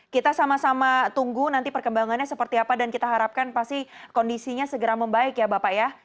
kita sama sama tunggu nanti perkembangannya seperti apa dan kita harapkan pasti kondisinya segera membaik ya bapak ya